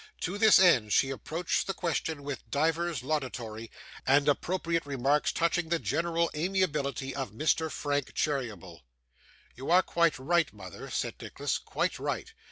To this end, she approached the question with divers laudatory and appropriate remarks touching the general amiability of Mr. Frank Cheeryble. 'You are quite right, mother,' said Nicholas, 'quite right.